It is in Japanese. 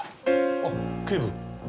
あっ警部。